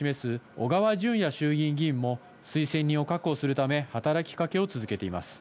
小川淳也衆議院議員も、推薦人を確保するため、働きかけを続けています。